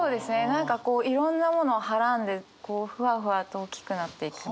何かいろんなものをはらんでふわふわと大きくなっていくみたいな。